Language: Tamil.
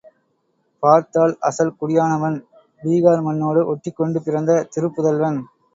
பார்த்தால் அசல் குடியானவன், பீகார் மண்ணோடு ஒட்டிக்கொண்டு பிறந்த திருப்புதல்வன்.